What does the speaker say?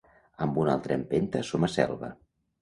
Amb una altra empenta som a Selva.